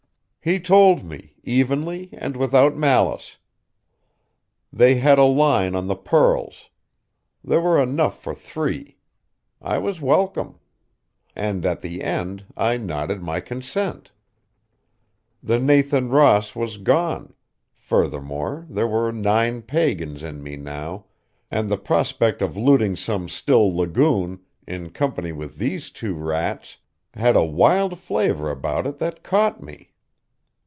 "He told me, evenly and without malice. They had a line on the pearls; there were enough for three. I was welcome. And at the end, I nodded my consent. The Nathan Ross was gone. Furthermore, there were nine pagans in me now; and the prospect of looting some still lagoon, in company with these two rats, had a wild flavor about it that caught me.